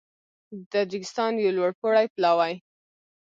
د تاجېکستان یو لوړپوړی پلاوی